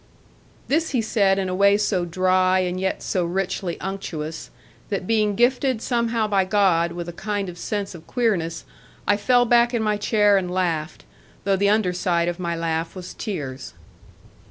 This he said in a way so dry, and yet so richly unctuous, that being gifted somehow by God, with a kind of sense of queerness, I fell back in my chair, and laughed, though the underside of my laugh was tears.